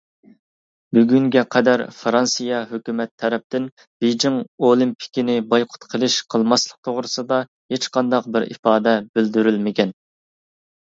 بۈگۈنگە قەدەر فىرانسىيە ھۆكۈمەت تەرەپتىن بېيجىڭ ئولىمپىكىنى بايقۇت قىلىش قىلماسلىق توغرىسىدا ھېچقانداق بىر ئىپادە بىلدۈرۈلمىگەن.